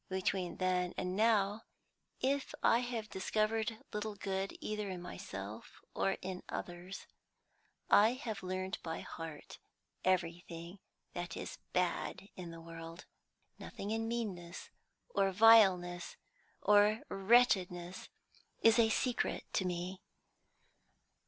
Between then and now, if I have discovered little good either in myself or in others, I have learned by heart everything that is bad in the world. Nothing in meanness or vileness or wretchedness is a secret to me.